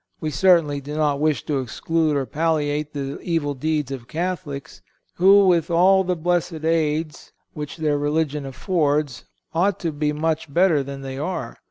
We certainly do not wish to excuse or palliate the evil deeds of Catholics, who, with all the blessed aids which their religion affords, ought to be much better than they are.